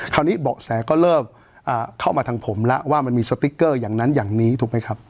เบาะแสก็เริ่มเข้ามาทางผมแล้วว่ามันมีสติ๊กเกอร์อย่างนั้นอย่างนี้ถูกไหมครับ